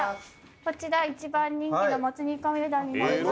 こちら一番人気のもつ煮込みうどんになります。